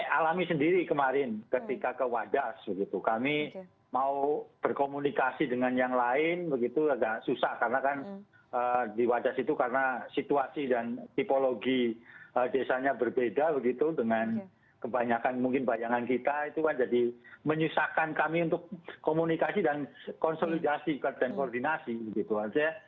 ya kami alami sendiri kemarin ketika ke wajas begitu kami mau berkomunikasi dengan yang lain begitu agak susah karena kan di wajas itu karena situasi dan tipologi desanya berbeda begitu dengan kebanyakan mungkin bayangan kita itu kan jadi menyusahkan kami untuk komunikasi dan konsolidasi dan koordinasi begitu saja